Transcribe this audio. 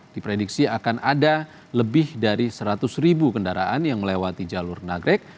diprediksi akan ada lebih dari seratus ribu kendaraan yang melewati jalur nagrek